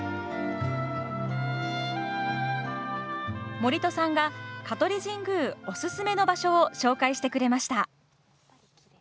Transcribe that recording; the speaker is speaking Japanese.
森戸さんが香取神宮おすすめの場所を紹介してくれました。